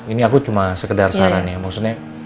ini aku cuma sekedar sarannya maksudnya